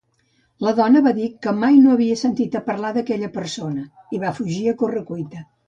La dona va dir que mai no n'havia sentit a parlar d'aquella persona, i va fugir a corre cuita.